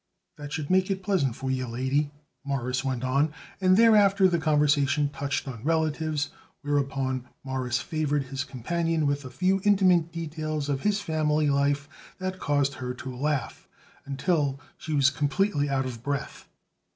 "That should make it pleasant for you, lady," Morris went on, and thereafter the conversation touched on relatives, whereupon Morris favored his companion with a few intimate details of his family life that caused her to laugh until she was completely out of breath.